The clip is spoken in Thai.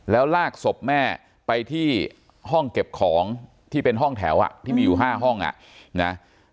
แล้วลากศพแม่ไปที่ห้องเก็บของที่เป็นห้องแถวอ่ะที่มีอยู่๕ห้องอ่ะนะ